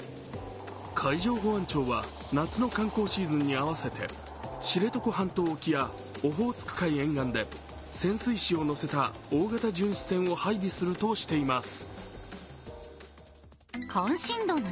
海上保安庁は夏の観光シーズンに合わせて知床半島沖やオホーツク海沿岸で潜水士を乗せた大型巡視船を配備するとしています。